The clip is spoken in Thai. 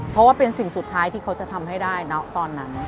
เพราะว่าเป็นสิ่งสุดท้ายที่เขาจะทำให้ได้นะตอนนั้น